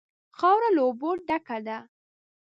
خاوره له اوبو ډکه ده.